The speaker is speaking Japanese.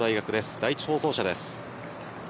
第１放送車です。